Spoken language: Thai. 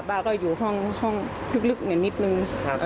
ป้าก็อยู่ห้องห้องลึกอย่างนิดนึง